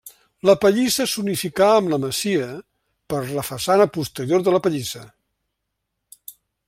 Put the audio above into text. La pallissa s'unificà amb la masia per la façana posterior de la pallissa.